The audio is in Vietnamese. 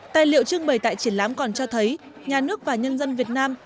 tài liệu trưng bày tại triển lãm còn cho thấy nhà nước và nhân dân việt nam